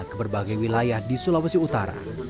ke berbagai wilayah di sulawesi utara